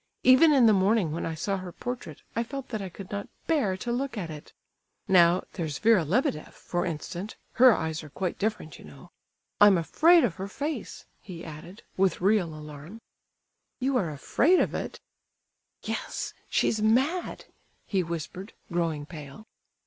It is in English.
Even in the morning when I saw her portrait, I felt that I could not bear to look at it. Now, there's Vera Lebedeff, for instance, her eyes are quite different, you know. I'm afraid of her face!" he added, with real alarm. "You are afraid of it?" "Yes—she's mad!" he whispered, growing pale.